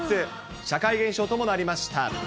社会現象ともなりました。